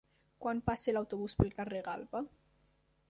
Quan passa l'autobús pel carrer Galba?